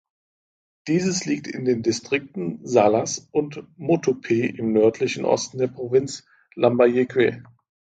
Dieses liegt in den Distrikten Salas und Motupe im nördlichen Osten der Provinz Lambayeque.